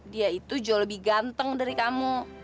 dia itu jauh lebih ganteng dari kamu